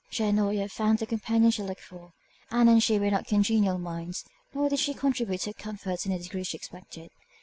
She had not yet found the companion she looked for. Ann and she were not congenial minds, nor did she contribute to her comfort in the degree she expected.